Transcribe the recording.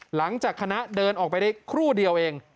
หลังจากคณะเดินออกไปได้ครู่เดียวเอง